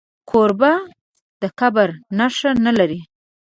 کوربه د کبر نښه نه لري.